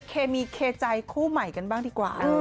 เคมีเคใจคู่ใหม่กันบ้างดีกว่า